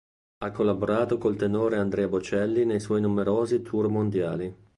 Ha collaborato col tenore Andrea Bocelli nei suoi numerosi tour mondiali.